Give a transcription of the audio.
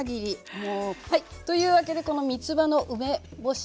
もう。というわけでこのみつばの梅干し